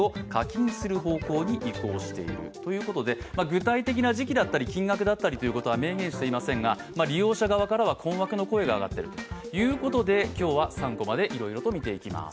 具体的な時期だったり金額だったりということは明言していませんが、利用者側からは困惑の声が上がっているということで今日は３コマでいろいろとみていきます。